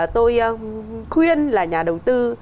tôi khuyên là nhà đầu tư